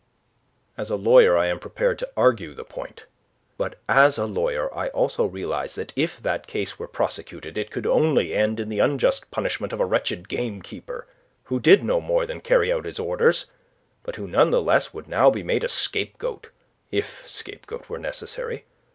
"As a lawyer, I am prepared to argue the point. But, as a lawyer I also realize that if that case were prosecuted, it could only end in the unjust punishment of a wretched gamekeeper, who did no more than carry out his orders, but who none the less would now be made a scapegoat, if scapegoat were necessary.